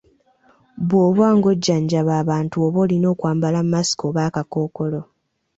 Bw’oba ng’ojjanjaba abantu abalina okwambala masiki oba akakookolo.